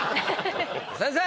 先生！